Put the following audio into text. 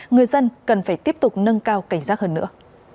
người dân cần phải tiếp tục nâng cao cảnh giác hơn nữa